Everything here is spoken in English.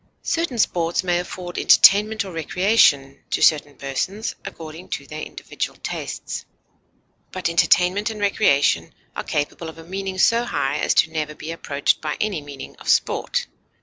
Certain sports may afford entertainment or recreation to certain persons, according to their individual tastes; but entertainment and recreation are capable of a meaning so high as never to be approached by any meaning of sport.